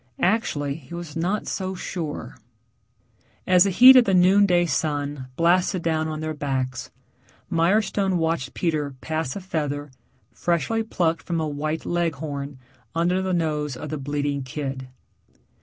Actually he was not so sure.... As the heat of the noon day sun blasted down on their backs, Mirestone watched Peter pass a feather, freshly plucked from a white Leghorn, under the nose of the bleating kid.